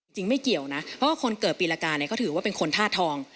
ไม่เกี่ยวนะเพราะว่าคนเกิดปีละกาเนี่ยก็ถือว่าเป็นคนธาตุทอง